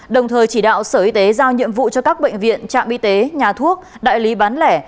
đồng thời chỉ đạo sở y tế giao nhiệm vụ cho các bệnh viện trạm y tế nhà thuốc đại lý bán lẻ